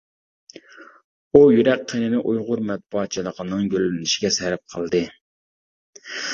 ئۇ يۈرەك قېنىنى ئۇيغۇر مەتبۇئاتچىلىقىنىڭ گۈللىنىشىگە سەرپ قىلدى.